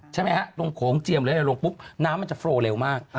ใช่ไหมฮะลงโขงเจียมเลยลงปุ๊บน้ำมันจะโฟลเร็วมาก